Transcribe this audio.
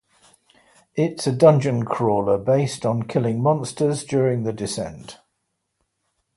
It's a dungeon crawler based on killing monsters during the descent.